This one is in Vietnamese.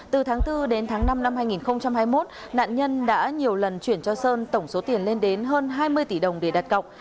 từ tháng bốn đến tháng năm năm hai nghìn hai mươi một nạn nhân đã nhiều lần chuyển cho sơn tổng số tiền lên đến hơn hai mươi tỷ đồng để đặt cọc